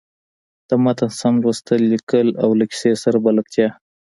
د متن سم لوستل، ليکل او له کیسۍ سره بلدتیا.